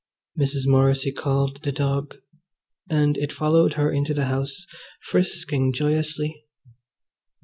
Mrs. Morrissy called the dog, and it followed her into the house, frisking joyously.